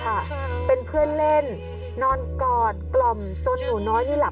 เพราะเขาทำหน้าที่อย่างเต็มที่แล้วจริงส่วนบางเคสที่เกิดกายศูนย์เสียไปอันนี้ก็ต้องแสดงความเสียใจด้วยจริงนะครับ